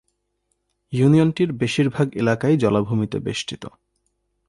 ইউনিয়নটির বেশিরভাগ এলাকাই জলাভূমিতে বেষ্টিত।